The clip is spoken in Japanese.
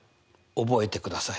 覚えてください。